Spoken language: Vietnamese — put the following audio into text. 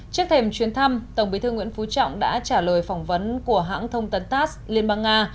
trước thềm chuyến thăm tổng bí thư nguyễn phú trọng đã trả lời phỏng vấn của hãng thông tấn tass liên bang nga